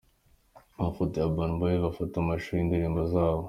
Amafoto ya Urban Boys bafata amashusho y'indirimbo zabo:.